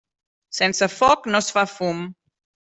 Sense foc no es fa fum.